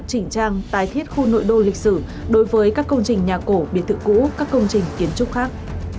chỉnh trang tái thiết khu nội đô lịch sử đối với các công trình nhà cổ biệt thự cũ các công trình kiến trúc khác